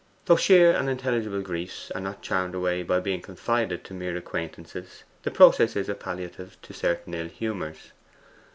Though sheer and intelligible griefs are not charmed away by being confided to mere acquaintances, the process is a palliative to certain ill humours.